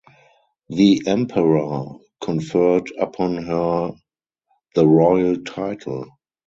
The emperor conferred upon her the royal title.